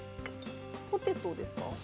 ポテトですか？